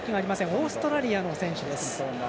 オーストラリアの選手です。